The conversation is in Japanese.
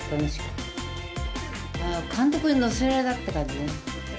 監督に乗せられたって感じね。